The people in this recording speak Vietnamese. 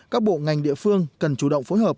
các bộ ngành địa phương cần chủ động phối hợp